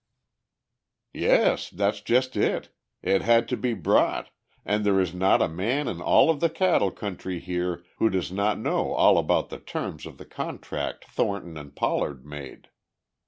"Yes! That's just it. It had to be brought and there is not a man in all of the cattle country here who does not know all about the terms of the contract Thornton and Pollard made.